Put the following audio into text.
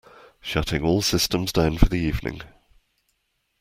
Shutting all systems down for the evening.